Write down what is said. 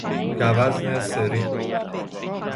گوزن سرین